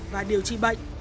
và điều trị bệnh